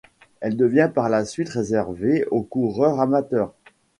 Elle devient par la suite réservée aux coureurs amateurs.